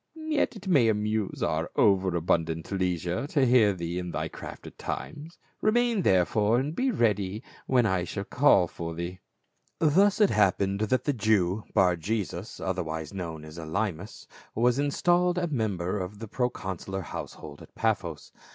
Yet it may amuse our over abun dant leisure to hear thee in thy craft at times ; remain therefore, and be ready when I shall call for thee," Thus it happened that the Jew, Bar jesus, otherwise known as P^lymas, was installed a member of the pro consular household at Paphos.